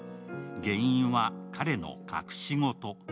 原因は彼の隠し事。